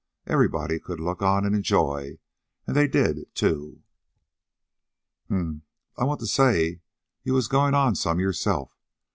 Everybody could look on and enjoy and they did, too." "Huh, I want to say you was goin' some yourself.